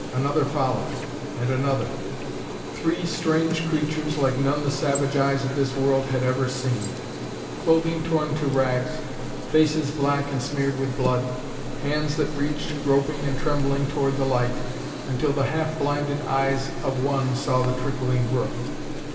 Another followed, and another three strange creatures like none the savage eyes of this world had ever seen. Clothing torn to rags faces black and smeared with blood hands that reached groping and trembling toward the light, until the half blinded eyes of one saw the trickling brook.